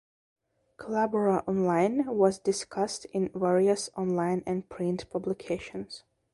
Collabora Online was discussed in various online and print publications.